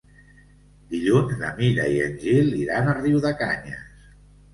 Dilluns na Mira i en Gil iran a Riudecanyes.